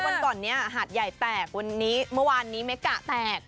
วันก่อนเนี่ยหาดใหญ่แตกวันนี้เมกะแตก